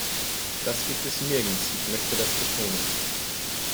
Das gibt es nirgends, ich möchte das betonen.